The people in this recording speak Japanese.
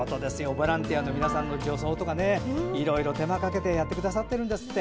ボランティアの皆さんの除草とかいろんな手間をかけてやってくださってるんですって。